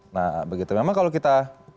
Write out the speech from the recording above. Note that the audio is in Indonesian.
nah begitu memang kalau kita